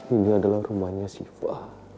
ini adalah rumahnya siva